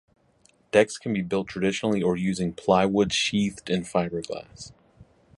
Decks can be built traditionally or using plywood sheathed in fibreglass.